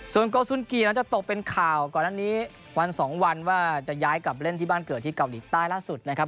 ส่วนโกสุนกีนั้นจะตกเป็นข่าวก่อนอันนี้วันสองวันว่าจะย้ายกลับเล่นที่บ้านเกิดที่เกาหลีใต้ล่าสุดนะครับ